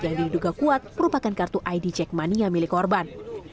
yang diduga kuat merupakan kartu id jackmania milik korban